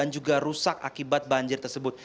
juga rusak akibat banjir tersebut